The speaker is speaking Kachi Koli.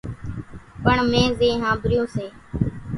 پڻ مين زين ۿانڀريون سي